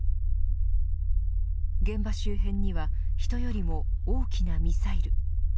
現場周辺には人よりも大きなミサイル。